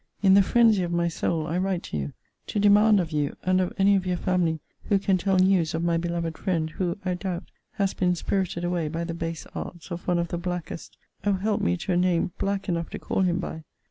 In the phrensy of my soul I write to you, to demand of you, and of any of your family who can tell news of my beloved friend, who, I doubt, has been spirited away by the base arts of one of the blackest O help me to a name black enough to call him by!